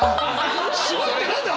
「すごい」って何だ！